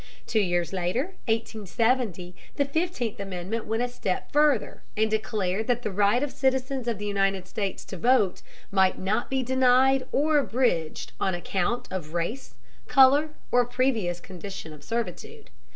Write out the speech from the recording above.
Two years later (1870) the Fifteenth Amendment went a step further, and declared that the right of citizens of the United States to vote might not be denied or abridged on account of race, color, or previous condition of servitude.